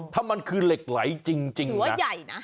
ถ้ามันคือเหล็กไหลจริงถือว่าใหญ่นะ